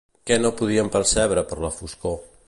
Què no podien percebre per la foscor?